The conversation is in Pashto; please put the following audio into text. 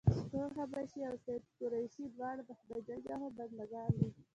تور حبشي او سید قریشي دواړه د خدای ج بنده ګان دي.